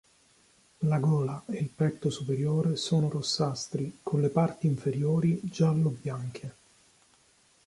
La gola e il petto superiore sono rossastri con le parti inferiori giallo-bianche.